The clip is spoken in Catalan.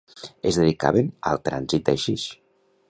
Es dedicaven al trànsit d'haixix.